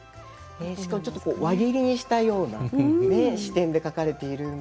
しかもちょっと輪切りにしたような視点で描かれているんで。